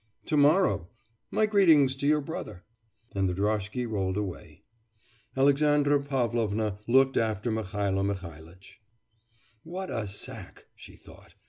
'To morrow; my greetings to your brother.' And the droshky rolled away. Alexandra Pavlovna looked after Mihailo Mihailitch. 'What a sack!' she thought.